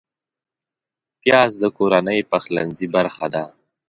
پیاز د کورنۍ پخلنځي برخه ده